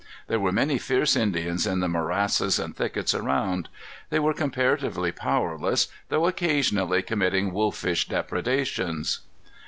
There were many fierce Indians in the morasses and thickets around. They were comparatively powerless, though occasionally committing wolfish depredations.